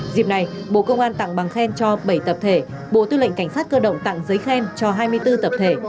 dịp này bộ công an tặng bằng khen cho bảy tập thể bộ tư lệnh cảnh sát cơ động tặng giấy khen cho hai mươi bốn tập thể